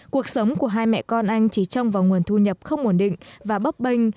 cuộc sống của hai mẹ con anh chỉ trông vào nguồn thu nhập không ổn định và bấp bênh